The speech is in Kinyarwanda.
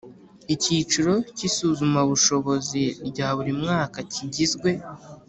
Icyiciro cy isuzamabushobozi rya buri mwaka kigizwe